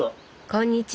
こんにちは。